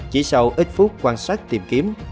chỉ sau ít phút quan sát tìm kiếm